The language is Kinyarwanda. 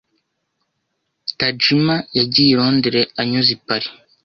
Tajima yagiye i Londres anyuze i Paris.